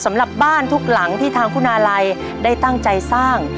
สำหรับบ้านทุกหลังที่ทางคุณาลัยได้ตั้งใจสร้าง